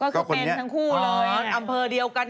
ก็คือเป็นทั้งคู่เลย